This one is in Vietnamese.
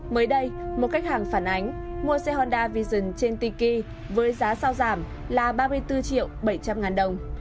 mới đây một khách hàng phản ánh mua xe honda vision trên tiki với giá sau giảm là ba mươi bốn triệu bảy trăm linh ngàn đồng